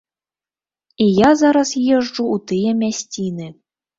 Я і зараз езджу ў тыя мясціны.